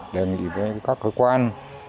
đề nghị với các cơ quan